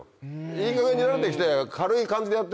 いいかげんになってきて。